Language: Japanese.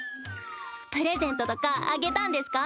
プレゼントとかあげたんですか？